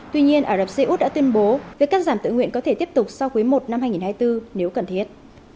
tuy nhiên ả rập xê út đã tuyên bố việc cắt giảm tự nguyện có thể tiếp tục sau quý i năm hai nghìn hai mươi bốn nếu cần thiết